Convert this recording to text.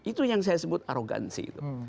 itu yang saya sebut arogansi